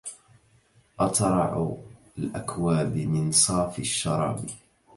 أترع الأكواب من صافي الشراب